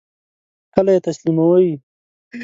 کله یی تسلیموئ؟